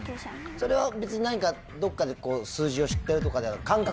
それは別に何かどっかで数字を知ってるとかでは。